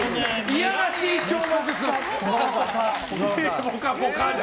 いやらしい超魔術だ。